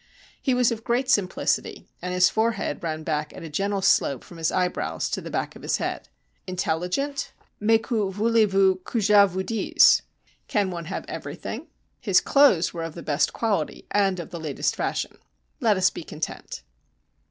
He was of great simplicity, and his forehead ran back at a gentle slope from his eyebrows to the back of his head. Intelligent? Mais que voulez vous que je vous dise? Can one have everything? His clothes were of the best quality and of the latest fashion. Let us be content.